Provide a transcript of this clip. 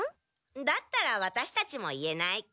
だったらワタシたちも言えない。